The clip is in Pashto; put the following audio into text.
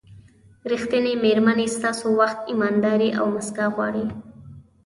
ریښتینې مېرمنې ستاسو وخت، ایمانداري او موسکا غواړي.